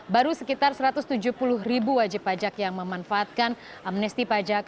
baru sekitar satu ratus tujuh puluh ribu wajib pajak yang memanfaatkan amnesti pajak